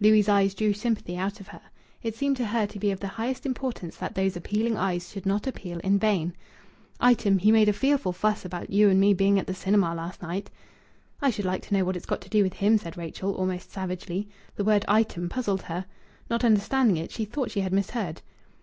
Louis' eyes drew sympathy out of her. It seemed to her to be of the highest importance that those appealing eyes should not appeal in vain. "Item, he made a fearful fuss about you and me being at the cinema last night." "I should like to know what it's got to do with him!" said Rachel, almost savagely. The word "item" puzzled her. Not understanding it, she thought she had misheard.